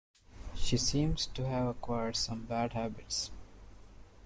She seems to have acquired some bad habits